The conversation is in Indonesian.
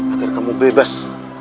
agar kamu bebas